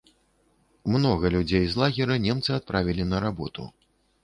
Многа людзей з лагера немцы адправілі на работу.